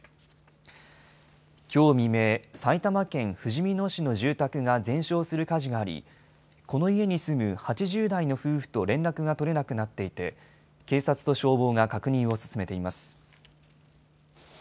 きょう未明、埼玉県ふじみ野市の住宅が全焼する火事があり、この家に住む８０代の夫婦と連絡が取れなくなっていて、警察と消防が確認を進めています。